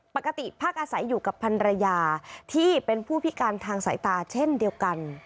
ปกติพักอาศัยอยู่กับพันรยาที่เป็นผู้พิการทางสายตาเช่นเดียวกัน